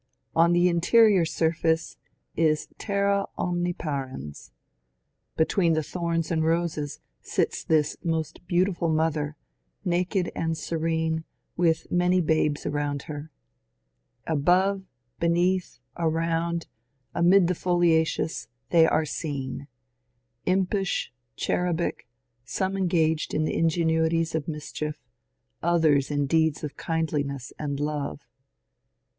On the interior surface is ^^ Terra Omniparens." Between the thorns and the roses sits this most beautiful Mother, naked and serene, with many babes around her. Above, beneath, around, amid the foliations they are seen — impish, cherubic, some en gaged in ingenuities of mischief, others in deeds of kindliness and love.